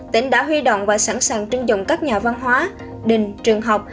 tỉnh đã huy động và sẵn sàng trưng dụng các nhà văn hóa đình trường học